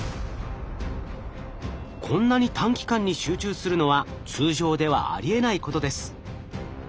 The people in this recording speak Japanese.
こんなに短期間に集中するのは通常ではありえないことです。